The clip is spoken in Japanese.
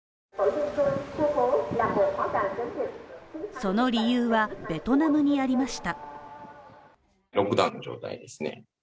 その理由はベトナムになりました